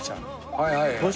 はいはい。